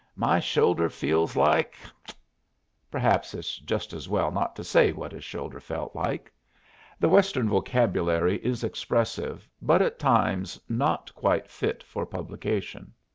My shoulder feels like " perhaps it's just as well not to say what his shoulder felt like. The Western vocabulary is expressive, but at times not quite fit for publication.